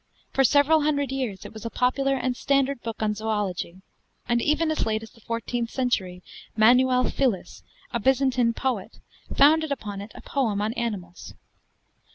For several hundred years it was a popular and standard book on zoölogy; and even as late as the fourteenth century, Manuel Philes, a Byzantine poet, founded upon it a poem on animals.